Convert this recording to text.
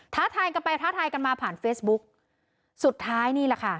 ท้าทายกันไปท้าทายกันมาผ่านเฟซบุ๊กสุดท้ายนี่แหละค่ะ